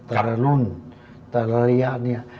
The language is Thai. แต่ละรุ่นแต่ละระยะเนี่ย